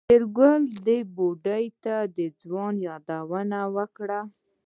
شېرګل بوډۍ ته د ځوانۍ يادونه وکړه.